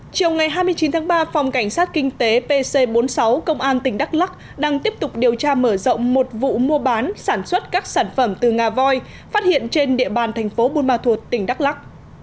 chiều ngày hai mươi chín tháng ba phòng cảnh sát kinh tế pc bốn mươi sáu công an tỉnh đắk lắc đang tiếp tục điều tra mở rộng một vụ mua bán sản xuất các sản phẩm từ ngà voi phát hiện trên địa bàn thành phố buôn ma thuột tỉnh đắk lắc